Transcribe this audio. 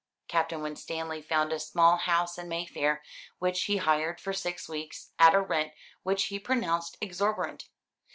Captain Winstanley found a small house in Mayfair, which he hired for six weeks, at a rent which he pronounced exorbitant.